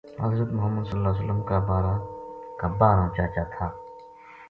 حضرت محمد ﷺ کا بارہ چاچا تھا۔